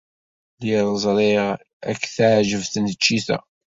Lliɣ ẓriɣ ad k-teɛjeb tneččit-a.